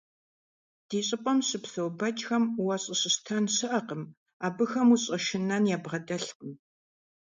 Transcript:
Ди щIыпIэм щыпсэу бэджхэм уащIыщыщтэн щыIэкъым, абыхэм ущIэшынэн ябгъэдэлъкъым.